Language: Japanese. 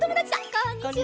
こんにちは！